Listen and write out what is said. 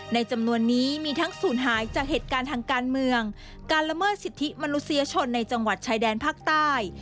จำนวนนี้มีทั้งศูนย์หายจากเหตุการณ์ทางการเมืองการละเมิดสิทธิมนุษยชนในจังหวัดชายแดนภาคใต้